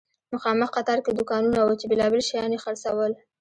مخامخ قطار کې دوکانونه وو چې بیلابیل شیان یې خرڅول.